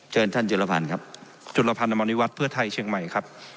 เชิญท่านจุรพรรณครับจุรพรรณอำอิวัตรเพื่อไทยเชียงใหม่ครับ